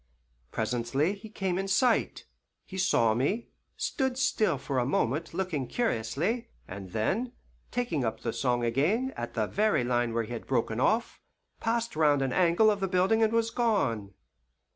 Presently he came in sight. He saw me, stood still for a moment looking curiously, and then, taking up the song again at the very line where he had broken off, passed round an angle of the building and was gone.